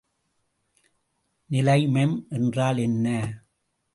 நிலைமம் என்றால் என்ன?